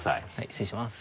失礼します。